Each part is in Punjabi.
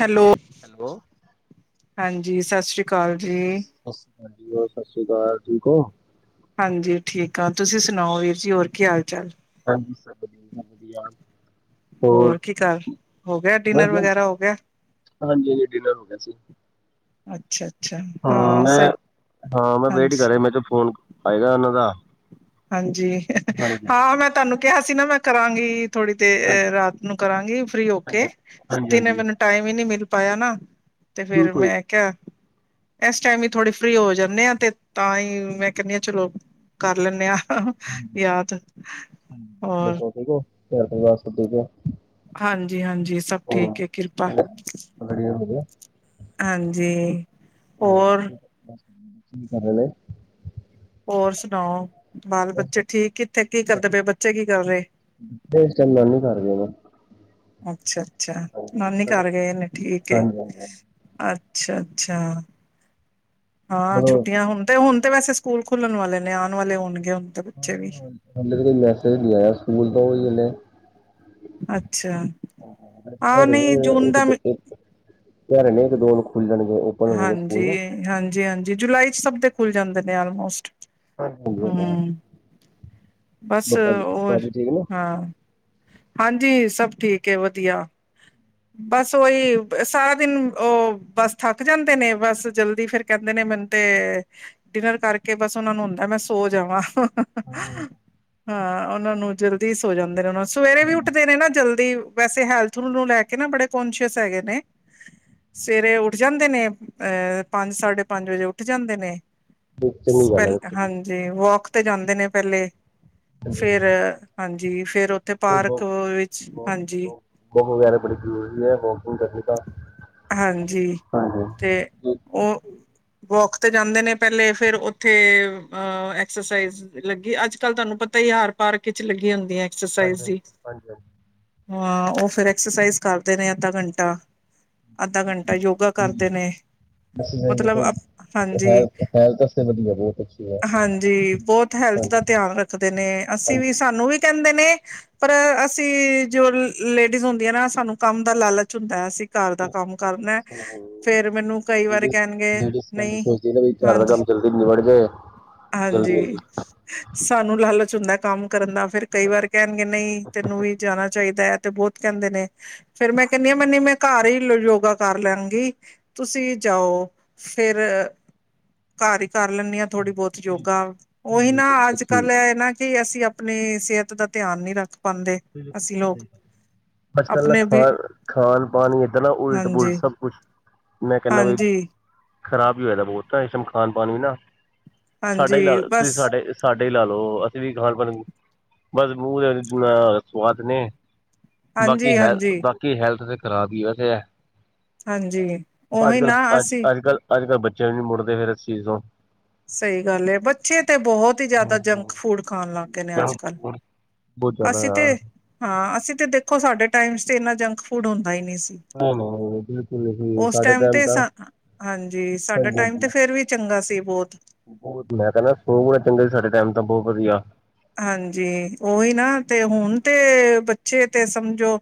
ਹੈਲੋ! ਹੈਲੋ। ਹਾਂਜੀ, ਸਤਿ ਸ਼੍ਰੀ ਅਕਾਲ ਜੀ। ਸਤਿ ਹੋਰ, ਸਤਿ ਸ਼੍ਰੀ ਅਕਾਲ। ਠੀਕ ਹੋਂ? ਹਾਂਜੀ ਠੀਕ ਆਂ, ਤੁਸੀਂ ਸੁਣਾਓ ਵੀਰ ਜੀ, ਹੋਰ ਕੀ ਹਾਲ-ਚਾਲ? ਹਾਂਜੀ ਸਭ ਵਧੀਆ। ਹੋਰ ਕੀ ਕਰ--ਹੋਗਿਆ ਬਸ ਡਿਨਰ ਵਗੈਰਾ, ਹੋਗਿਆ? ਹਾਂਜੀ ਜੀ, ਡਿਨਰ ਹੋਗਿਆ ਸੀ। ਅੱਛਾ। ਅੱਛਾ ਹਾਂ ਮੈਂ, ਸਹੀ ਹਾਂ ਮੈਂ ਵੇਟ ਹੀ ਹਾਂਜੀ ਕਰ ਰਿਹਾ, ਮੈਂ ਕਿਹਾ ਫੋਨ, ਆਇਗਾ ਇਹਨਾਂ ਦਾ। ਹਾਂਜੀ, ਹਾਂਜੀ ਹਾਂ, ਮੈਂ ਤੁਹਾਨੂੰ ਕਿਹਾ ਸੀ ਨਾ, ਮੈਂ ਕਰਾਂਗੀ। ਥੋੜੀ ਹਾਂਜੀ ਦੇਰ ਰਾਤ ਨੂੰ ਕਰਾਂਗੀ, ਫ੍ਰੀ ਹਾਂਜੀ ਹੋਕੇ, ਹਾਂਜੀ ਦਿਨੇ ਹਾਂਜੀ। ਮੈਨੂੰ ਟਾਈਮ ਹੀ ਨਹੀਂ ਮਿਲ ਪਾਇਆ ਨਾ, ਤੇ ਫੇਰ ਬਿਲਕੁਲ ਮੈਂ ਕਿਹਾ ਐਸ ਟਾਈਮ ਵੀ ਥੋੜੇ ਫ੍ਰੀ ਹੋ ਜਾਂਨੇ ਆਂ, ਤੇ ਤਾਂਹੀ ਮੈਂ ਕਹਿੰਨੀ ਹਾਂ ਚਲੋ ਕਰ ਲੈਂਨੇ ਆਂ। ਹੋਰ ਦੱਸੋ ਠੀਕ ਓ? ਘਰ-ਪਰਿਵਾਰ ਸਭ ਠੀਕ ਐ? ਹਾਂਜੀ-ਹਾਂਜੀ, ਸਭ ਠੀਕ ਏ, ਕਿਰਪਾ ਗੜੀਅਰ ਹੋਗਿਆ? ਹਾਂਜੀ। ਹੋਰ ਕੀ ਕਰ ਲਏ? ਹੋਰ ਸੁਣਾਓ, ਬਾਲ-ਬੱਚੇ ਠੀਕ? ਕਿੱਥੇ, ਕੀ ਕਰਦੇ ਪਏ, ਬੱਚੇ ਕੀ ਕਰ ਰਹੇ? ਇਸ ਟੈਮ ਨਾਨੀ ਘਰ ਗਏ ਨੇ। ਅੱਛਾ-ਅੱਛਾ, ਹਾਂਜੀ ਨਾਨੀ ਹਾਂਜੀ। ਘਰ ਗਏ ਨੇ, ਠੀਕ ਏ। ਹਾਂਜੀ ਅੱਛਾ-ਅੱਛਾ, ਹਾਂ ਹਾਂਜੀ। ਛੁੱਟੀਆਂ ਹੁਣ ਤੇ ਹੁਣ ਤੇ ਵੈਸੇ ਸਕੂਲ ਖੁੱਲਣ ਵਾਲੇ ਨੇ, ਆਣ ਵਾਲੇ ਹੋਣਗੇ, ਹੁਣ ਤੇ ਬੱਚੇ ਵੀ। ਹੁਣ ਤੱਕ ਤੇ, ਮੈਸੇਜ ਨਹੀਂ ਆਇਆ ਸਕੂਲ ਤੋਂ ਹੀ ਇਹਨੇ ਅੱਛਾ, ਰਹੇ ਹਾਂ ਨੇ, ਨਹੀਂ ਜੂਨ ਦਾ ਮ ਇੱਕ--ਇੱਕ ਘਹਿ ਰਹੇ ਨੇ, ਇੱਕ-ਦੋ ਨੂੰ ਖੁੱਲ ਜਾਣਗੇ, ਉਹ। ਹਾਂਜੀ, ਹਾਂਜੀ-ਹਾਂਜੀ ਜੁਲਾਈ'ਚ ਸਭ ਦੇ ਖੁੱਲ ਜਾਂਦੇ ਨੇ, ਆਲਮੋਸਟ। ਹਾਂਜੀ ਹੂੰ, ਬਸ ਬੱਪਾ ਜੀ ਭਾਅ ਓਰ, ਜੀ ਠੀਕ ਨੇ ਹਾਂ ਹਾਂਜੀ ਸਭ ਠੀਕ ਏ, ਵਧੀਆ। ਬਸ ਵੋਈ, ਸਾਰਾ ਦਿਨ ਉਹ, ਬਸ ਥੱਕ ਜਾਂਦੇ ਨੇ। ਬਸ, ਜਲਦੀ ਫਿਰ ਕਹਿੰਦੇ ਨੇ ਮੈਨੂੰ ਤੇ ਡਿਨਰ ਕਰਕੇ ਬਸ ਉਹਨਾ ਨੂੰ ਹੁੰਦਾ, ਮੈਂ ਸੋ ਜਾਵਾਂ। ਹਾਂ, ਉਹਨਾਂ ਨੂੰ ਜਲਦੀ ਸੋ ਜਾਂਦੇ ਨੇ, ਉਹਨਾਂ ਸਵੇਰੇ ਵੀ ਉੱਠਦੇ ਨੇ ਨਾ ਜਲਦੀ ਵੈਸੇ ਹੈਲਥ ਨੂੰ ਲੈਕੇ ਨਾ ਬੜੇ ਕੌਸ਼ੀਅਸ ਹੈਗੇ ਨੇ, ਸਵੇਰੇ ਉ ਉੱਠ ਜਾਂਦੇ ਨੇ, ਅਹ ਪੰਜ, ਸਾਢੇ ਪੰਜ ਵਜੇ ਉੱਠ ਜਾਂਦੇ ਨੇ, ਤੇ ਚੰਗੀ ਗੱਲ ਹੈ ਸਪੈਲ ਦੇਖੋ ਜੀ ਹਾਂਜੀ ਤੇ ਵੌਕ ਤੇ ਜਾਂਦੇ ਨੇ ਪਹਿਲੇ, ਹਾਂਜੀ ਫਿਰ, ਹਾਂਜੀ ਹਾਂਜੀ ਫਿਰ ਓ ਤੇ ਪਾਰਕ ਓ ਵਿੱਚ, ਹਾਂਜੀ। ਵੌਕ ਵਗੈਰਾ ਬੜੀ ਜ਼ਰੂਰੀ ਹੈ, ਵੌਕੀਂਗ ਕਰਨੀ ਤਾ ਹਾਂਜੀ, ਤੇ ਓ ਵੋਕ ਤੇ ਜਾਂਦੇ ਨੇ ਪਹਿਲੇ, ਫਿਰ ਉੱਥੇ ਅ ਐਕਸਰਸਾਈਜ਼ ਲੱਗੀ ਅੱਜ ਕੱਲ ਤੁਹਾਨੂੰ ਪਤਾ ਈ ਆ ਹਰ ਪਾਰਕ ਇਚ ਲੱਗੀ ਹੁੰਦੀ ਹੈ। ਐਕਸਰਸਾਈਜ਼ ਹਾਂਜੀ ਦੀ, ਹਾਂਜੀ ਹਾਂ ਉਹ ਫਿਰ ਐਕਸਰਸਾਈਜ਼ ਕਰਦੇ ਨੇ ਅੱਧਾ ਘੰਟਾ। ਅੱਧਾ ਘੰਟਾ ਯੋਗਾ ਕਰਦੇ ਨੇ। ਅਸੀਂ ਵੀ ਮਤਲਬ ਦੇਖੋ ਹਾਂਜੀ, ਹੈਲਥ ਹੈਲਥ ਵਾਸਤੇ ਵਧੀਆ ਬਹੁਤ ਅੱਛੀ ਹੈ ਹਾਂਜੀ ਬਹੁਤ ਹੈਲਥ ਦਾ ਹਾਂਜੀ ਧਿਆਨ ਰੱਖਦੇ ਨੇ, ਅਸੀਂ ਵੀ ਹਾਂਜੀ ਸਾਨੂੰ ਵੀ ਕਹਿੰਦੇ ਨੇ ਪਰ ਅਸੀਂ ਜੋ ਲ-ਲੇਡੀਜ਼ ਹੁੰਦੀਆਂ ਨਾ ਸਾਨੂੰ ਕੰਮ ਦਾ ਲਾਲਚ ਹੁੰਦਾ ਐ ਅਸੀਂ ਘਰ ਦਾ ਕੰਮ ਕਰਨਾ ਏ, ਫੇਰ ਮੈਨੂੰ ਕਈ ਵਾਰੀ ਲੇਡੀਜ਼ ਕਹਿਣਗੇ, ਲੇਡੀਜ਼ ਕਹਿੰਦੀ ਨਹੀਂ ਸੋਚਦੀ ਨਾ ਵੀ ਘਰ ਦਾ ਹਾਂਜੀ ਕੰਮ ਜੱਲਦੀ ਨਿਬੜ ਜੇ। ਹਾਂਜੀ, ਸਾਨੂੰ ਲਾਲਚ ਹੁੰਦੈ ਕੰਮ ਕਰਨ ਦਾ। ਫੇਰ ਕਈ ਵਾਰ ਕਹਿਣਗੇ ਨਹੀਂ ਤੈਨੂੰ ਵੀ ਜਾਣਾ ਚਾਹੀਦਾ ਏ ਤੇ ਬਹੁਤ ਕਹਿੰਦੇ ਨੇ। ਫੇਰ ਮੈਂ ਕਹਿੰਨੀ ਆ ਮਨੀ ਮੈਂ ਘਰ ਈ ਯੋ ਯੋਗਾ ਕਰ ਲੈਨਗੇ, ਤੁਸੀਂ ਜਾਓ ਫੇਰ ਘਰ ਈ ਕਰ ਲੈਂਨੀ ਆਂ, ਥੋੜ੍ਹੀ ਬੌਤ। ਯੋਗਾ ਉਹੀ ਨਾ ਅੱਜ ਬਿਲਕੁਲ -ਕੱਲ ਇਹ ਏ ਨਾ ਕਿ ਅਸੀਂ ਆਪਣੀ ਸਿਹਤ ਦਾ ਧਿਆਨ ਨਹੀਂ ਰੱਖ ਪਾਉਂਦੇ [unintelligible] ਅਸੀਂ ਲੋਕ ਅੱਜ- ਕੱਲ ਦਾ ਆਪਣੇ ਵੀ ਖਾਣ ਖਾਨ- ਪਾਨ ਈ ਇਤਨਾ ਉਲਟ -ਪੁਲਟ ਹਾਂਜੀ ਸਭ ਕੁਛ, ਮੈਂ ਕਹਿੰਨਾ ਵਈ ਹਾਂਜੀ ਖ਼ਰਾਬ ਹੀ ਹੋਏਆ [unintelligible] ਬਹੁਤ ਇਸ ਟਾਇਮ ਖਾਨ- ਪਾਨ ਵੀ ਨਾ, ਸਾਡਾ ਹੀ ਲਾ ਹਾਂਜੀ ਤੁਸੀਂ ਬਸ ਸਾਡੇ ਸਾਡੇ ਈ ਲਾ ਲਓ ਅਸੀਂ ਵੀ ਖਾਣਪਣ [inaudible] ਬਸ ਮੂੰਹ ਸਵਾਦ ਨੇ, ਹਾਂਜੀ ਬਾਕੀ ਹੈਲਥ, ਹਾਂਜੀ ਬਾਕੀ ਹੈਲਥ ਤੇ ਖ਼ਰਾਬ ਹੀ ਓ ਤੇ ਹੈ। ਹਾਂਜੀ ਅੱਜ ਉਹੀ ਨਾ ਕੱਲ੍ਹ ਅਸੀਂ ਅੱਜ-ਅੱਜ ਕੱਲ੍ਹ-ਅੱਜ ਕੱਲ੍ਹ ਬੱਚੇ [unintelligible] ਮੁੜਦੇ ਫਿਰ ਇਸ ਚੀਜ਼ ਤੋਂ। ਸਹੀ ਗੱਲ ਏ ਬੱਚੇ ਤੇ ਬਹੁਤ ਹੀ ਜ਼ਿਆਦਾ ਜੰਕ ਫੂਡ ਖਾਣ ਲੱਗ ਗੇ ਨੇ ਅੱਜ ਕੱਲ੍ਹ। ਬਹੁਤ ਜ਼ਿਆਦਾ ਅਸੀਂ ਤੇ, ਯਾਰ ਹਾਂ ਅਸੀਂ ਤੇ ਦੇਖੋ ਸਾਡੇ ਟਾਈਮਸ ਤੇ ਇੰਨਾ ਜੰਕ ਫੂਡ ਹੁੰਦਾ ਈ ਨਹੀਂ ਸੀ। ਨਹੀਂ ਨਹੀਂ ਬਿਲਕੁਲ ਨਹੀਂ ਉਸ ਸਾਡੇ ਟੈਮ ਟਾਈਮ ਤੇ ਤਾਂ ਸਾ, ਹਾਂਜੀ ਸਾਡਾ ਹਾਂਜੀ ਟਾਈਮ ਹਾਂਜੀ ਤੇ ਫੇਰ ਵੀ ਚੰਗਾ ਸੀ ਬਹੁਤ। ਮੈਂ ਕਹਿਨਾ ਸੌ ਗੁਣਾ ਚੰਗੇ ਸੀ ਸਾਡਾ ਟਾਈਮ ਤਾਂ ਬਹੁਤ ਵਧੀਆ। ਹਾਂਜੀ, ਉਹੀ ਨਾ ਤੇ ਹੁਣ ਤੇ ਬੱਚੇ ਤੇ ਸਮਝੋ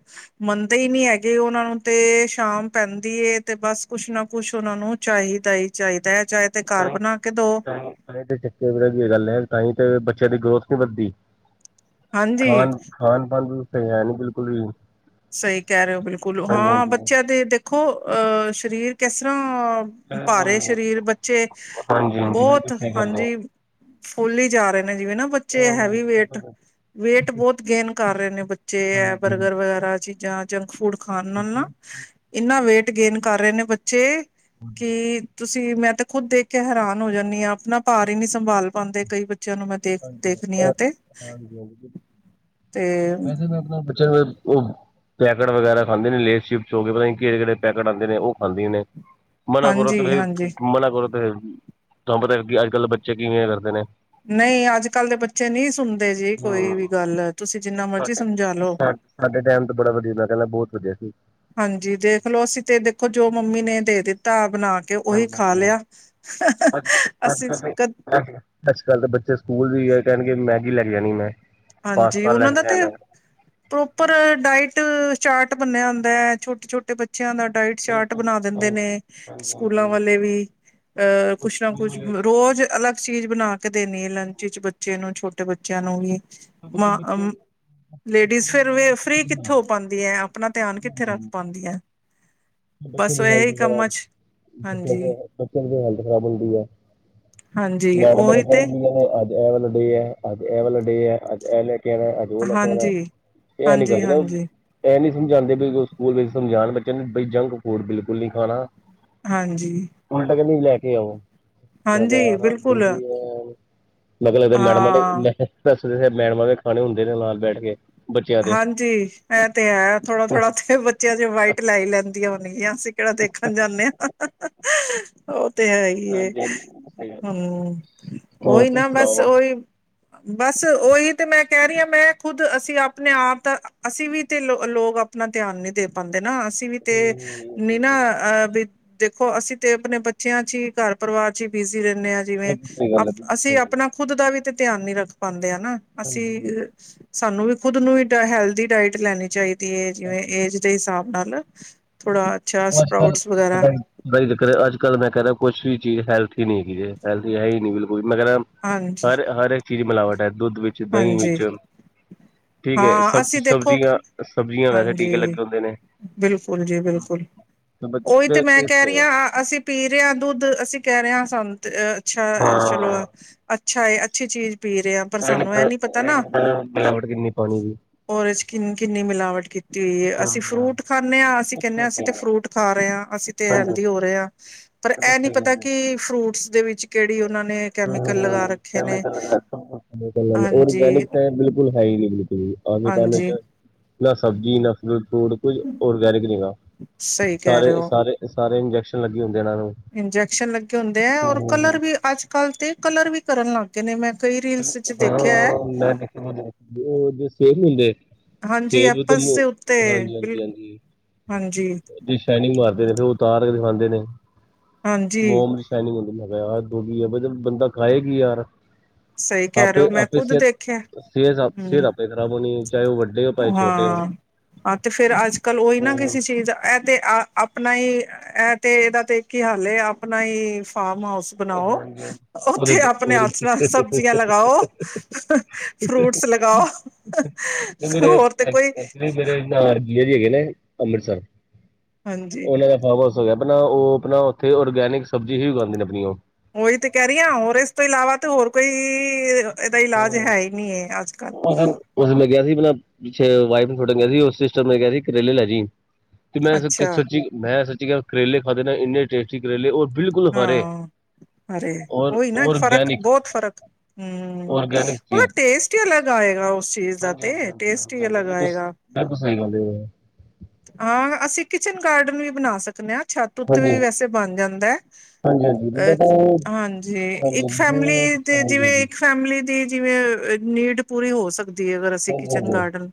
ਮੰਨਦੇ ਈ ਨੀ ਹੈਗੇ ਉਹਨਾਂ ਨੂੰ ਤੇ ਸ਼ਾਮ ਪੈਂਦੀ ਏ ਤੇ ਬਸ ਕੁਛ ਨਾ ਕੁਛ ਉਹਨਾਂ ਨੂੰ ਚਾਹੀਦਾ ਈ, ਚਾਈਦਾ ਹੈ ਚਾਇ ਟਾਇਮ- ਟਾਇਮ, ਤੇ ਚੱਕੇ ਵੇਲੇ ਦੀ ਗੱਲ ਏ ਤਾਈਂ ਤੇ, ਬੱਚਿਆਂ ਦੀ ਗਰੋਥ ਨੀ ਵੱਧਦੀ। ਹਾਂਜੀ ਖਾਨ- ਖਾਨ ਪਾਨ ਵੀ ਉੱਥੇ ਹੈ ਨੀ ਬਿਲਕੁਲ ਵੀ। ਸਈ ਕੈ ਰਹੇ ਓ ਬਿਲਕੁਲ, ਹਾਂ ਬੱਚਿਆਂ ਦੇ ਦੇਖੋ ਅ ਸ਼ਰੀਰ ਕਿਸਰਾ ਭਾਰੇ ਸ਼ਰੀਰ ਬੱਚੇ ਹਾਂਜੀ ਹਾਂਜੀ ਬਿਲਕੁਲ ਬੌਤ ਸਹੀ ਗੱਲ ਹੈ। ਹਾਂਜੀ। ਫੁੱਲੀ ਜਾ ਰੇ ਨੇ ਜਿਵੇਂ ਨਾ ਬੱਚੇ ਹੈਵੀ ਵੇਟ। ਵੇਟ ਬੌਤ ਗੇਨ ਕਰ ਰਹੇ ਨੇ ਬੱਚੇ ਐ ਹਾਂਜੀ ਬਰਗਰ ਵਗੈਰਾ ਚੀਜ਼ਾਂ, ਜੰਕ ਫੂਡ ਖਾਨ ਨਾਲ ਨਾ, ਏਨਾ ਵੇਟ ਗੇਨ ਕਰ ਰੇ ਨੇ ਬੱਚੇ ਕੀ ਤੁਸੀਂ ਮੈਂ ਤਾ ਖੁਦ ਦੇਖ ਕੇ ਹੈਰਾਨ ਹੋ ਜਾਂਨੀ ਆਂ, ਆਪਨਾ ਭਾਰ ਈ ਨੀ ਸੰਭਾਲ ਪਾਂਦੇ, ਕਈ ਬੱਚਿਆਂ ਨੂੰ ਮੈਂ ਦੇਖ ਦੇਖਨੀ ਆ ਤੇ ਤੇ ਮੈ ਕਹਨਾ ਆਪਨਾ ਬਚ [unintelligible] [unintelligible] ਪੈਕਟ ਵਗੈਰਾ ਖਾਂਦੇ ਨੇ, ਲੇਸ- ਚਿਪਸ ਹੋ ਗਏ ਪਤਾ ਨੀ ਕੇਹੜੇ-ਕੇਹੜੇ ਪੈਕਟ ਆਂਦੇ ਨੇ ਓਹ ਖਾਂਦੀਏ ਨੇ। ਮਨਾ ਕਰੋ ਤੇ ਹਾਂਜੀ ਫੇਰ, ਹਾਂਜੀ ਮਨਾ ਕਰੋ ਤੇ ਤਾਨੂੰ ਪਤਾ ਏ, ਅੱਜ -ਕੱਲ ਦੇ ਬੱਚੇ ਕਿਵੇਂ ਏ ਕਰਦੇ ਨੇ। ਨਈ ਅੱਜ- ਕੱਲ ਦੇ ਬੱਚੇ ਨਈ ਸੁਣਦੇ ਜੀ ਕੋਈ ਵੀ ਗੱਲ ਤੁਸੀਂ ਜਿੰਨਾ ਮਰਜ਼ੀ ਸਾਡੇ ਸਮਝਾ ਲਓ -ਸਾਡੇ ਟਾਈਮ ਤੇ ਬੜਾ ਵਧੀਆ ਮੈਂ ਕੈਨਾ ਬਹੁਤ ਵਧੀਆ ਸੀ। ਹਾਂਜੀ, ਦੇਖਲਓ ਅਸੀਂ ਤੇ ਦੇਖੋ, ਜੋ ਮੰਮੀ ਨੇ ਦੇ ਦਿੱਤਾ ਬਣਾ ਕੇ ਓਹੀ ਖਾ ਲੇਆ [unintelligible] ਅਸੀਂ ਦੇ ਕ ਬਸ ਕੱਲ ਦੇ ਬੱਚੇ ਸਕੂਲ ਵੀ ਗਏ ਕਹਿਨਗੇ ਮੈਗੀ ਲੈਕੇ ਜਾਨੀ ਮੈਂ। ਹਾਂਜੀ, ਪਾਸਤਾ ਲੈ ਉਨ੍ਹਾਂ ਦਾ ਕੇ ਤੇ ਜਾਣਾ ਪ੍ਰੋਪਰ ਡਾਇਟ ਚਾਰਟ ਬਨਿਆ ਹੁੰਦੈ ਛੋਟੇ- ਛੋਟੇ ਬਚ ਬੱਚਿਆਂ ਦਾ ਡਾਇਟ ਚਾਰਟ ਬਿਲਕੁਲ ਬਣਾ ਦਿੰਦੇ ਨੇ, ਸਕੂਲਾਂ ਵਾਲੇ ਵੀ। ਅ ਕੁਛ ਨਾ ਕੁਛ ਹਾਂਜੀ ਹਾਂਜੀ ਰੋਜ਼ ਅਲੱਗ ਚੀਜ਼ ਬਣਾ ਕੇ ਦੇਣੀ ਏ ਲੰਚ ਵਿਚ ਬੱਚੇ ਨੂੰ, ਛੋਟੇ ਬੱਚਿਆਂ ਨੂੰ ਵੀ। ਮਾਂ [unintelligible] ਲੇਡੀਜ਼ ਫੇਰ ਵੀ ਫਰੀ ਕਿੱਥੇ ਹੋ ਪਾਂਦੀ ਏ, ਆਪਨਾ ਧਿਆਨ ਕਿੱਥੇ ਰੱਖ ਪਾਂਦੀ ਏ। ਬੱਚੇ ਦੀ ਹੈਲਥ ਵਗੈਰਾ, ਚ ਬੱ ਹਾਂਜੀ-ਹਾਂਜੀ ਬੱਚਿਆਂ ਦੀ ਹੈਲਥ ਖ਼ਰਾਬ ਹੁੰਦੀ ਐ। ਮੈਡਮਾਂ ਨੇ ਉਹੀ ਤੇ ਕਹਿਣਾ ਕਿ ਅੱਜ ਇਹ ਵਾਲਾ ਡੇ ਐ, ਅੱਜ ਇਹ ਵਾਲਾ ਡੇ ਐ, ਅੱਜ ਇਹ ਲੈਕੇ ਆਣਾ ਏ ਅੱਜ। ਓਹ ਲੈਕੇ ਔਣਾ, ਇਆ ਨੀ ਰੱਖਣਾ ਹਾਂਜੀ-ਹਾਂਜੀ-ਹਾਂਜੀ-ਹਾਂਜੀ-ਹਾਂਜੀ [inaudible] ਇਹ ਨੀ ਸਮਝਾਂਦੇ, ਬਈ ਓਹ ਸਕੂਲ ਵਿੱਚ ਸਮਝਾਣ ਬੱਚਿਆਂ ਨੂੰ, ਬਈ ਜੰਕ- ਫੂਡ ਬਿਲਕੁਲ ਨਹੀਂ ਖਾਣਾ। ਹਾਂਜੀ। ਹੁਣ ਤਾਂ ਕਹਿੰਦੇ ਵੀ ਲੈ ਕੇ ਆਵੋ [inaudible] ਬਿਲਕੁਲ ਮਤਲਬ ਮੈਡਮਾਂ ਦੇ ਹਾਂ ਮੈਂ ਦੱਸ, ਮੈਡਮਾਂ ਦੇ ਖਾਣੇ ਹੁੰਦੇ ਨੇ ਨਾਲ ਬੈਠ ਕੇ। ਬੱਚਿਆਂ ਦੇ ਹਾਂਜੀ ਇਹ ਤੇ ਹੈ, ਥੋੜਾ-ਥੋੜਾ ਤੇ ਬੱਚਿਆਂ ਚ ਵਾਈਟ ਲੈ ਲੈਂਦੀਆਂ ਹੋਣਗੀਆਂ, ਅਸੀਂ ਕਿਹੜਾ ਦੇਖਣ ਜਾਂਦੇ ਆਂ। ਉਹ ਤੇ ਹੈ ਹੀ ਏ, ਹੂੰ ਉਹੀ ਨਾ ਬਸ ਓਹੀ। ਬਸ ਉਹੀ ਤੇ ਮੈਂ ਕਹਿ ਰਹੀ ਹਾਂ, ਮੈਂ ਖੁਦ ਅਸੀਂ ਆਪ ਆਪਣੇ ਆਪ ਦਾ ਅਸੀਂ ਵੀ ਤੇ ਲੋ ਲੋਕ ਆਪਣਾ ਧਿਆਨ ਨੀ ਦੇ ਪਾਂਦੇ ਨਾ, ਅਸੀਂ ਵੀ ਤੇ ਨੀ ਨਾ ਅਹ ਵੀ ਦੇਖੋ ਅਸੀਂ ਤੇ ਆਪਣੇ ਬੱਚਿਆਂ ਚ ਹੀ, ਘਰ ਪਰਿਵਾਰ ਚ ਹੀ ਬਿਜ਼ੀ ਰਹਿੰਦੇ ਆਂ। ਜਿਵੇਂ ਅਸੀਂ ਆਪਣਾ ਖੁਦ ਦਾ ਵੀ ਤੇ ਧਿਆਨ ਨੀ ਰੱਖ ਪਾਂਦੇ ਆ ਨਾ, ਅਸੀਂ ਸਾਨੂੰ ਵੀ ਖੁਦ ਨੂੰ ਹੀ ਹੈਲਦੀ ਡਾਇਟ ਲੈਨੀ ਚਾਹੀਦੀ ਏ, ਜਿਵੇਂ ਏਜ ਦੇ ਹਿਸਾਬ ਨਾਲ ਥੋੜਾ ਅੱਛਾ ਅੱਜ -ਕੱਲ, ਸਪਰਾਊਟਸ ਵਗੈਰਾ ਪਤਾ ਨੀ ਅੱਜ- ਕੱਲ ਮੈਂ ਕਹਿ ਰਿਹਾ, ਕੁਛ ਵੀ ਚੀਜ਼ ਹੈਲਥੀ ਹੈਲਥੀ ਨੀ ਹੈਗੀ ਇਹ, ਹੈਲਦੀ ਹੈ ਹੀ ਨੀ ਬਿਲਕੁਲ, ਮੈਂ ਕਹਿ ਰਿਹਾ, ਹਾਂਜੀ ਹਰ-ਹਰ ਇੱਕ ਚੀਜ਼ ਮਿਲਾਵਟ ਹੈ ਦੁੱਧ ਵੀ। ਤੇ ਦਹੀ ਹਾਂਜੀ ਵਿੱਚ ਠੀਕ ਏ, ਹਾਂ ਸਬ ਅਸੀਂ ਦੇਖੋ ਸਬਜ਼ੀਆਂ-ਸਬਜ਼ੀਆਂ ਵੈਸੇ ਟੀਕੇ ਹਾਂਜੀ ਲੱਗੇ ਹੁੰਦੇ ਨੇ। ਬਿਲਕੁਲ ਜੀ ਬਿਲਕੁਲ, ਤੇ ਓਹੀ ਤੇ ਬੱਚੇ ਮੈਂ ਕਹਿ ਕਿੱਥੇ ਰਹੀ ਆ ਆਂ। ਅਸੀਂ ਪੀ ਰਹੇ ਹਾਂ ਦੁੱਧ, ਅਸੀਂ ਕਹਿ ਰਹੇ ਹਾਂ, ਸਾਨੂੰ ਤੇ ਅ ਅੱਛਾ ਚਲੋ ਅ ਅੱਛਾ ਏ, ਅੱਛੀ ਚੀਜ਼ ਪੀ ਰਿਹਾ ਆਂ, ਪਰ ਸਾਨੂੰ ਇਹ ਨੀ ਪਤਾ ਨਾ ਅੱਜ ਮਿਲਾਵਟ ਕਿੰਨੀ ਏ ਪਾਣੀ ਦੀ। ਉਹਦੇ ਚ ਕਿੰਨ ਕਿੰਨੀ ਮਿਲਾਵਟ ਕੀ ਤੇ ਅਸੀਂ ਫਰੂਟ ਖਾਂਨੇ ਆਂ, ਅਸੀਂ ਕਹਿੰਨੇ ਆਂ, ਅਸੀਂ ਤੇ ਫਰੂਟ ਖਾ ਰਹੇ ਆਂ, ਅਸੀਂ ਤੇ ਹੈਲਦੀ ਹੋ ਰਹੇ ਆਂ। ਪਰ ਇਹ ਨੀ ਪਤਾ ਕਿ ਫਰੂਟਸ ਦੇ ਵਿੱਚ ਕਿਹੜੀ ਉਹਨਾਂ ਨੇ ਕੈਮੀਕਲ ਲਗਾ ਹਾਂ-ਹਾਂ, ਰੱਖੇ ਨੇ [inaudible] ਹਾਂਜੀ ਔਰਗੈਨਿਕ ਐ ਬਿਲਕ ਬਿਲਕੁਲ ਹੈ ਹੀ ਨੀ ਬਿਲਕੁਲ, ਅੱਜ ਦੇ ਟਾਈਮ ਹਾਂਜੀ ਚ ਨਾ ਸਬਜ਼ੀ ਨਾ ਫੂਡ ਕੁਝ ਔਰਗੈਨਿਕ ਨਹੀਂ ਗਾ, ਸਹੀ ਕਹਿ ਰਹੇ ਸਾਰੇ- ਹੋ ਸਾਰੇ- ਸਾਰੇ ਇੰਜੈਕਸ਼ਨ ਲੱਗੇ ਹੁੰਦੇ ਇਹਨਾਂ ਨੂੰ। ਇੰਜੈਕਸ਼ਨ ਲੱਗੇ ਹੁੰਦੇ ਐ, ਔਰ ਕਲਰ ਵੀ ਅੱਜ-ਕੱਲ ਤੇ ਕਲਰ ਵੀ ਕਰਨ ਲੱਗ ਗਏ ਨੇ, ਮੈਂ ਕਈ ਰੀਲਸ ਚ ਦੇਖਿਆ ਹੈ ਹਾਂ-ਹਾਂ, ਮੈਂ ਦੇਖਿਆ ਉਹ ਜਿਹੜੇ ਸੇਬ ਨੀ ਹੁੰਦੇ ਹਾਂਜੀ ਸੇਬ ਤੇ ਐਪਲਸ ਮੋ ਦੇ ਉੱਤੇ, ਹਾਂਜੀ ਬਿਲ ਹਾਂਜੀ ਹਾਂਜੀ ਹਾਂਜੀ ਦੀ ਸ਼ਾਇਨਿੰਗ ਮਾਰਦੇ ਨੇ, ਫਿਰ ਉਹ ਉਤਾਰ ਕੇ ਦਿਖਾਂਦੇ ਨੇ ਹਾਂਜੀ ਮੋਮਜ਼ ਸ਼ਾਇਨਿੰਗ ਹੁੁੰਦੀ ਮੈਂ ਕਿਹਾ ਯਾਰ, ਦੋ ਬੀ ਐ ਬੰਦਾ ਖਾਏ ਕੀ ਯਾਰ ਸਹੀ ਕਹਿ ਰਹੇ ਆਪੇ ਹੋ, ਮੈਂ ਆਪੇ ਖੁੱਦ ਸਿਹਤ ਦੇਖਿਆ। ਸਿਹਤ- ਸਿਹਤ ਹਮ ਆਪੇ ਖ਼ਰਾਬ ਹੋਣੀ ਏ, ਚਾਹੇ ਉਹ ਵੱਡੇ ਹੋਣ ਚਾਹੇ ਛੋਟੇ ਹੋਣ। ਹਾਂ ਹਾਂ ਤੇ ਫੇਰ ਅੱਜ- ਕੱਲ੍ਹ ਉਹੀ ਨਾ, ਕਿਸੇ ਚੀਜ਼ ਦਾ ਐਹ ਤੇ ਅ ਆਪਣਾ ਹੀ ਇਹ ਤੇ ਇਹਦਾ ਤੇ ਇੱਕ ਈ ਹੱਲ ਏ, ਆਪਣਾ ਹੀ ਫਾਰਮ ਹਾਊਸ ਬਣਾਓ, ਉਹਦੇ ਉੱਥੇ ਚ ਆਪਣੇ ਉਹ ਹੱਥ ਨਾਲ ਸਬਜ਼ੀਆਂ ਲਗਾਓ। ਫਰੂਟਸ ਲਗਾਓ, ਮੇਰੇ ਹੋਰ ਤੇ ਕੋਈ ਐਕਚੁਲੀ ਮੇਰੇ ਇਹਨਾਂ ਵਰਗੀ ਹੈਗੀ ਏ ਨੇ ਅੰਮ੍ਰਿਤਸਰ, ਹਾਂਜੀ ਉਹਨਾਂ ਦਾ ਹਾਂ ਬਸ ਹੋ ਗਿਆ, ਆਪਣਾ ਉਹ ਆਪਣਾ ਉੱਥੇ ਔਰਗੈਨਿਕ ਸਬਜ਼ੀ ਹੀ ਉਗਾਉਂਦੇ ਨੇ, ਆਪਣੀ ਉਹ। ਉਹੀ ਤੇ ਕਹਿ ਰਹੀ ਆਂ, ਹੋਰ ਇਸ ਤੋਂ ਇਲਾਵਾ ਤੇ ਹੋਰ ਕੋਈ ਐਦਾ ਇਲਾਜ ਹੈ ਈ ਨੀ ਏ ਅੱਜ-ਕੱਲ। ਉਸ ਦਿਨ ਮੈਂ ਗਿਆ ਸੀ ਮੈਂ ਨਾ ਪਿੱਛੇ ਵਾਈਫ ਨੂੰ ਛੱਡਨ ਗਿਆ ਸੀ ਓ ਸਿਸਟਰ ਨੇ ਕਿਆ ਸੀ ਕਰੇਲੇ ਲੈ ਜੀ। ਤੇ ਮੈਂ [unintelligible] ਕਿਆ ਅੱਛਾ ਸੱਚੀ ਮੈਂ ਸੱਚੀ ਕਰੇਲੇ ਖਾਦੇ ਨਨ ਇੰਨੇ ਟੇਸਟੀ ਕਰੇਲੇ ਓਰ ਬਿਲਕੁਲ ਹਰੇ ਹਾਂ ਓਰ ਓਰਗੈਨਿਕ। ਫਰਕ ਹੂੰ, ਉਦਾ ਟੇਸਟ ਈ ਅਲੱਗ ਆਏਗਾ ਓਸ ਚੀਜ਼ ਦਾ ਤੇ ਟੇਸਟ ਈ ਅਲੱਗ ਆਏਗਾ। ਐ ਤੇ ਸਈ ਗਲ ਏਐ। ਹਾਂ, ਅਸੀਂ ਕਿਚਨ ਗਾਰਡਨ ਵੀ ਬਣਾ ਸਕਨੇ ਆ, ਛੱਤ ਉੱਤੇ ਹਾਂਜੀ ਵੀ ਵੈਸੇ ਬਣ ਜਾਂਦਾ ਐ। ਹਾਂਜੀ ਹਾਂਜੀ ਮੈਂ ਤਾਂ ਅਛ ਹਾਂਜੀ ਹਾਂਜੀ ਇੱਕ ਹਾਂਜੀ ਫੈਮਲੀ ਤੇ ਹਾਂਜੀ ਜਿਵੇਂ ਹਾਂਜੀ ਇੱਕ ਫੈਮਿਲੀ ਦੀ ਜਿਵੇਂ ਨੀਡ ਪੂਰੀ ਹੋ ਸਕ ਦੀ ਅਗਰ ਅਸੀਂ ਕਿਚਨ ਹਾਂਜੀ ਗਾਰਡਨ,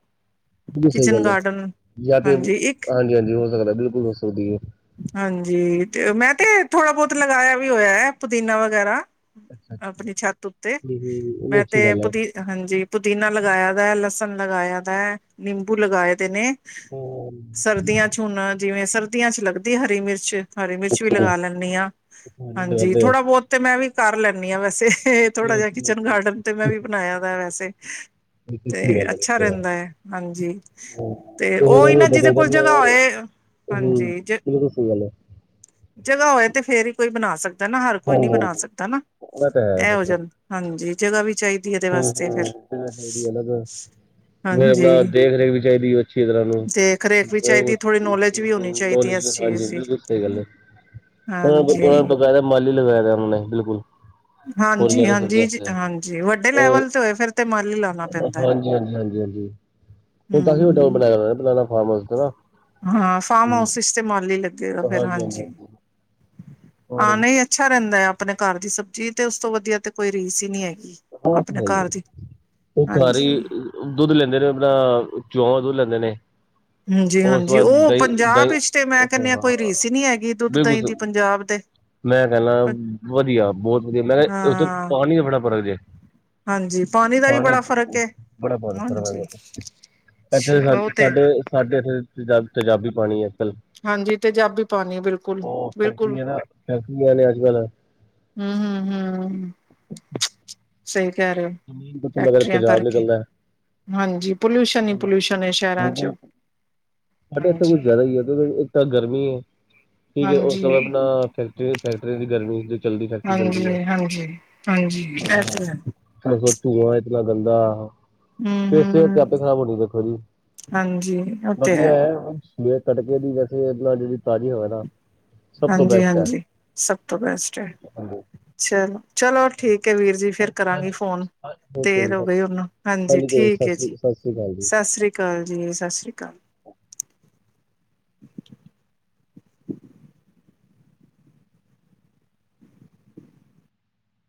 ਕਿਚਨ ਗਾਰਡਨ ਯਾਂ ਤੇ, ਹਾਂਜੀ ਇੱਕ ਹਾਂਜੀ-ਹਾਂਜੀ ਹੋ ਸਕਦਾ ਬਿਲਕੁਲ ਹੋ ਸਕਦੀ ਏ। ਹਾਂਜੀ, ਤੇ ਮੈਂ ਤੇ ਥੋੜਾ ਬੌਤ ਲਗਾਇਆ ਵੀ ਹੋਇਆ ਐ ਪੁਦੀਨਾ ਵਗੈਰਾ। ਅੱਛਾ ਅੱਛਾ ਅਪਣੀ ਛੱਤ ਉੱਤੇ ਇਹ ਮੈਂ ਤੇ ਅੱਛੀ ਗੱਲ ਹੈ ਪੁਦੀ ਹਾਂਜੀ, ਪੁਦੀਨਾ ਲਗਾਇਆ ਦਾ, ਲਸਣ ਲਗਾਇਆ ਦਾ, ਨਿੰਬੂ ਲਗਾਏ ਦੇ ਨੇ। ਸਰਦੀਆਂ ਚ ਹੁਣ ਜਿਵੇਂ ਸਰਦੀਆਂ ਚ ਲੱਗਦੀ ਹਰੀ ਮਿਰਚ। ਹਰੀ ਮਿਰਚ ਵੀ ਲਗਾ ਲੈਨੀ ਆ ਹਾਂਜੀ ਕਰਦੇ ਹੋ ਥੋੜਾ ਬੌਤ ਤੇ ਮੈਂ ਵੀ ਕਰ ਲੈਨੀ ਆ ਵੈਸੇ। ਥੋੜਾ ਜਿਆ ਕਿਚਨ ਗਾਰਡਨ ਤੇ ਮੈਂ ਵੀ ਬਣਾਇਆ ਦਾ ਵੈਸੇ। ਤੇ ਅੱਛੀ ਗੱਲ ਅੱਛਾ ਹੈ ਰੈਂਦਾ ਐ ਹਾਂਜੀ ਤੇ ਉਹੀ ਹੁਣ ਨਾ ਏਦਾਂ ਜਿਦੇ ਚਾਹੀਦਾ ਕੋਲ ਨਾ ਜਗ੍ਹਾ ਯਾਰ ਹੋਏ ਹੂੰ ਹਾਂਜੀ ਜ ਬਿਲਕੁਲ ਸਈ ਗੱਲ ਐ। ਜਗ੍ਹਾ ਹੋਏ ਤੇ ਫੇਰ ਈ ਕੋਈ ਬਣਾ ਸਕਦਾ ਨਾ, ਹਰ ਕੋਈ ਨੀ ਬਣਾ ਸਕਦਾ ਨਾ ਉਹ ਤਾਂ ਐ ਹੋ ਜਾਂ ਹਾਂਜੀ, ਜਗ੍ਹਾ ਵੀ ਚਾਈ ਹੂੰ-ਹੂੰ, ਜਗ੍ਹਾ ਚਾਈਦੀ ਏਨਾ ਫਿਰ। ਨੇ ਅਪਣਾ ਹਾਂਜੀ ਦੇਖ ਰੇਖ ਵੀ ਚਾਈਦੀ ਅੱਛੀ ਤਰ੍ਹਾਂ ਨੂੰ ਦੇਖ ਰੇਖ ਵੀ ਚਾਹੀਦੀ ਥੋੜ੍ਹੀ ਨੌਲੇਜ ਵੀ ਹੋਣੀ ਚਾਹੀਦੀ ਹੈ ਨਾਲੇਜ ਇਸ ਵੀ ਹਾਂਜੀ, ਚੀਜ਼ ਦੀ ਬਿਲਕੁਲ ਸਈ ਗੱਲ ਐ। ਉਨਾਂ ਕੋਲ ਉਨਾਂ ਹਾਂਜੀ ਬਕਾਇਦਾ ਮਾਲੀ ਲਬਿਆ ਦਾ ਉਨਾਂ ਨੇ ਬਿਲਕੁਲ ਓਰਗੈਨਿਕ ਸਬਜ਼ੀਆਂ ਅਸਤੇ। ਜੇ ਵੱਡੇ ਲੈਵਲ ਤੇ ਹੋਏ ਫਿਰ ਤੇ ਮਾਲੀ ਲਾ ਹਾਂਜੀ, ਹਾਂਜੀ, ਹਾਂਜੀ, ਹਾਂਜੀ, ਓ ਕਾਫ਼ੀ ਵੱਡਾ ਹਮ ਬਣਾਇਆ ਹੋਇਆ ਓਨਾਂ ਦਾ ਫਾਰਮ ਹਾਊਸ ਐਨਾ। ਹਾਂ, ਫਾਰਮ ਹਾਊਸ ਚ ਤੇ ਮਾਲੀ ਲੱਗੇਗਾ ਫਿਰ ਹਾਂਜੀ। ਹਾਂ, ਹਾਂਜੀ ਨਈ ਅੱਛਾ ਰੈਂਦਾ ਹੈ ਅਪਣੇ ਘਰ ਦੀ ਸਬਜ਼ੀ ਤੇ ਉਸ ਤੋਂ ਵਦੀਆ ਤੇ ਕੋਈ ਰੀਸ ਈ ਨਈ ਹੈਗੀ। ਓ ਆਪਣੇ ਹੈ ਈ, ਘਰ ਦੀ ਓ ਘਰ ਈ ਹਾਂਜੀ ਦੁੱਧ ਲੈਂਦੇ ਨੇ ਅਪਣਾ ਚੌਆਵਾ ਦੁੱਧ ਲੈਂਦੇ ਨੇ। ਉਸ ਤੋਂ ਹਾਂਜੀ-ਹਾਂਜੀ, ਬਾਅਦ ਓ ਦਹੀਂ ਪੰਜਾਬ ਦਹੀਂ ਵਿਚ ਤੇ ਮੈਂ ਕੈਂਨੀ ਆ ਕੋਈ ਹਾਂ ਰੀਸ ਨਈ ਹੈਗੀ ਦੁੱਧ, ਦਹੀਂ ਦੀ ਬਿਲਕੁਲ ਪੰਜਾਬ ਦੇ। ਮੈਂ ਕੈਣਾ ਵਦੀਆ ਬੌਤ ਵਦੀਆ ਮੈਂ ਕਿਆ ਉੱਥੇ ਹਾਂ ਪਾਣੀ ਦਾ ਬੜਾ ਫਰਕ ਜੇ। ਹਾਂਜੀ ਦਾ ਵੀ ਪਾਣੀ ਬੜਾ ਫ਼ਰਕ ਹੈ ਬੜਾ ਹਾਂਜੀ ਫਰਕ [unintelligible] ਇੱਥੇ ਸਾ ਅੱਛਾ ਉਹ ਤੇ ਸਾਡੇ ਸਾਡੇ ਇੱਥੇ ਤੇਜ਼ਾਬੀ ਪਾਣੀ ਹੈ ਕੱਲ ਹਾਂਜੀ, ਤੇਜ਼ਾਬੀ ਪਾਣੀ ਬਿਲਕੁਲ, ਬਿਲਕੁਲ। ਫੈਕਟਰੀਆਂ ਨੇ ਅੱਜ ਕੱਲ ਹੂੰ, ਹੂੰ, ਹੂੰ। ਸਈ ਕੈ ਰਏ ਓ। ਜ਼ਮੀਨ ਤੋਂ ਮਗਰ ਫੈਕਟਰੀਆਂ ਤੇਜ਼ਾਬ ਕਰਕੇ ਨਿਕਲਦਾ ਹੈ ਹਾਂਜੀ, ਪੋਲਿਊਸ਼ਨ ਈ ਪੋਲਿਊਸ਼ਨ ਏ ਸ਼ਹਿਰਾਂ ਚ। ਸਾਡੇ ਏਥੇ ਕੁਛ ਹਾਂਜੀ ਜੈਦਾ ਈ ਐ ਕਿਉਂਕਿ ਇੱਕ ਤਾਂ ਗਰਮੀ ਐ ਠੀਕ ਏ ਉਸ ਹਾਂਜੀ ਤੋਂ ਬਾਦ ਅਪਣਾ ਫੈ ਫੈਕਟਰੀਆਂ ਦੀ ਗਰਮੀ ਚ। ਹਾਂਜੀ, ਹਾਂਜੀ, ਹਾਂਜੀ, ਐ ਤੇ ਹੈ। ਓਦਰੋਂ ਧੂਆਂ ਇਤਨਾ ਗੰਦਾ, ਹੂੰ ਤੇ ਸੇਹਤ ਆਪੇ ਹੂੰ ਖਰਾਬ ਹੋਣੀ ਵੇਖੋ ਜੀ। ਹਾਂਜੀ। ਤੇ ਵਦੀਆ ਹੈ ਐ ਬਸ, ਵੇ ਤੜਕੇ ਦੀ ਵੈਸੇ ਐ ਜੇੜੀ ਤਾਜ਼ੀ ਹਵਾ ਦਾ ਹਾਂਜੀ-ਹਾਂਜੀ ਸਬ ਤੋਂ ਬੈਸਟ ਐ। ਚਲੋ, ਚਲੋ ਠੀਕ ਐ ਵੀਰ ਜੀ ਫੇਰ ਕਰਾਂਗੀ ਫੋਨ। ਓਕੇ ਦੇਰ ਜੀ ਹੋ ਗਈ ਬਸ ਉਨੂੰ ਹਾਂਜੀ ਤੇ ਠੀਕ ਸਤਿ ਏ ਜੀ ਸ੍ਰੀ ਸਤਿ ਸ੍ਰੀ ਅਕਾਲ ਜੀ ਸਾਸ੍ਰੀ ਕਾਲ ਜੀ ਸਾਸ੍ਰੀ ਕਾਲ। [inaudible] [inaudible]